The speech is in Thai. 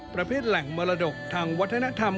ประเภทแหล่งมรดกทางวัฒนธรรม